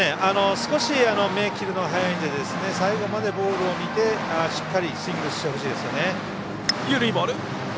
少し目を切るのが早いので最後までボールを見てスイングしてほしいですね。